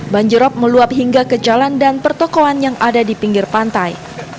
banjirop meluap hingga ke jalan dan pertokohan yang ada di pinggir pantai